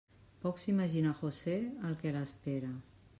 Poc s'imagina José el que l'espera.